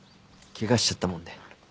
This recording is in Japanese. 怪我しちゃったもんで。